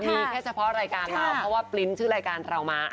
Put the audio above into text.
มีแค่เฉพาะรายการเราพี่คริ้มว่าชื่อรายการเรามา